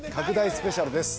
スペシャルです。